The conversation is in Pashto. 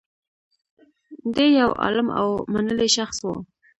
دی یو عالم او منلی شخص و